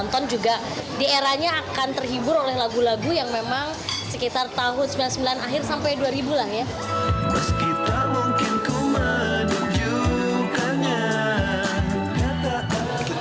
penonton juga di eranya akan terhibur oleh lagu lagu yang memang sekitar tahun seribu sembilan ratus sembilan puluh sembilan dua ribu lah ya